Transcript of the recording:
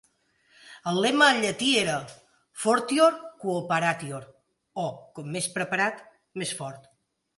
El lema en llatí era "Fortior quo paratior", o "Com més preparat, més fort".